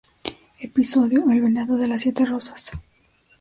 Episodio "El venado de las siete rozas".